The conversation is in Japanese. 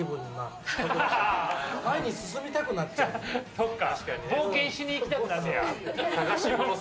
そっか。